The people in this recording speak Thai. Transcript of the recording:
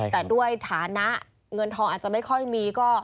แต่ด้วยฐานะเงินทองอาจจะไม่ค่อยมีก็